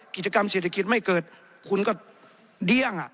กิจกรรมเศรษฐกิจไม่เกิดคุณก็เดี้ยง